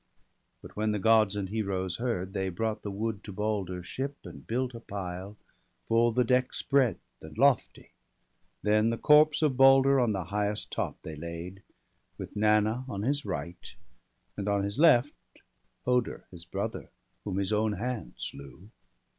But when the Gods and Heroes heard, they brought The wood to Balder's ship, and built a pile, 172 BALDER DEAD. Full the deck's breadth, and lofty; then the corpse Of Balder on the highest top they laid, With Nanna on his right, and on his left Hoder, his brother, whom his own hand slew.